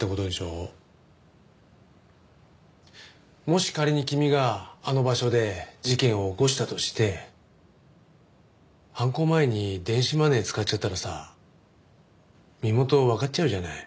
もし仮に君があの場所で事件を起こしたとして犯行前に電子マネー使っちゃったらさ身元わかっちゃうじゃない。